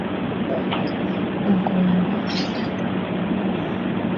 Ugomba gufata ibinini